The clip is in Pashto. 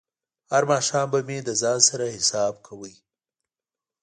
هر ماښام به مې له ځان سره حساب کاوه.